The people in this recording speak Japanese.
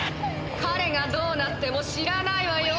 かれがどうなっても知らないわよ！」。